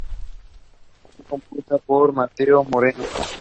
Fue compuesta por Mateo Moreno.